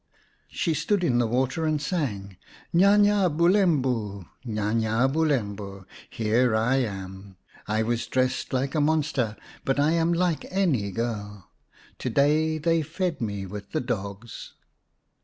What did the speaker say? She stood in the water and sang :" Nya nya Bulembu, Nya nya Bulembu, Here I am ! I was dressed like a monster, But I am like any girl. To day they fed me with the dogs."